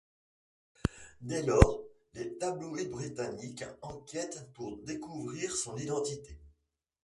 Dès lors les tabloïds britanniques enquêtent pour découvrir son identité.